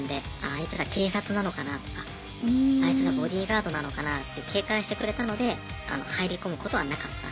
あいつら警察なのかなとかあいつらボディーガードなのかなって警戒してくれたので入り込むことはなかった。